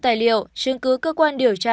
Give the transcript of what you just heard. tài liệu chứng cứ cơ quan điều tra